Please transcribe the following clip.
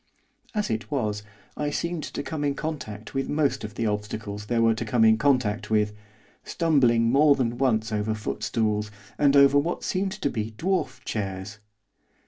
As it was I seemed to come into contact with most of the obstacles there were to come into contact with, stumbling more than once over footstools, and over what seemed to be dwarf chairs.